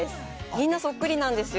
みんなそっくりなんですよ。